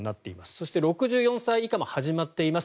そして６４歳以下も始まっています。